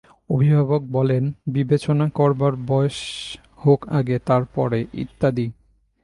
অভিভাবক বলেন, বিবেচনা করবার বয়েস হোক আগে, তার পরে ইত্যাদি।